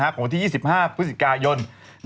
ของวันที่๒๕พฤศจิกายน